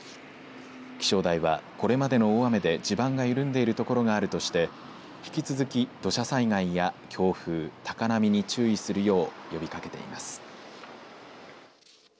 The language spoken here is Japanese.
気象台は、これまでの大雨で地盤が緩んでる所があるとして引き続き、土砂災害や強風、高波に注意するよう呼びかけています。